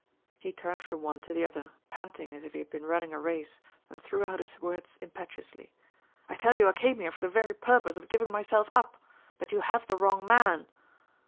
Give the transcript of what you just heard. He turned from one to the other, panting as if he had been running a race, and threw out his words impetuously. "I tell you I came here for the very purpose of giving myself up but you have the wrong man."